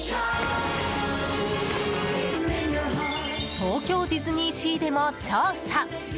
東京ディズニーシーでも調査。